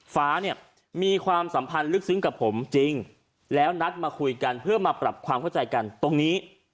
ฟ้าเนี่ยมีความสัมพันธ์ลึกซึ้งกับผมจริงแล้วนัดมาคุยกันเพื่อมาปรับความเข้าใจกันตรงนี้